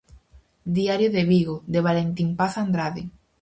Diario de Vigo, de Valentín Paz-Andrade.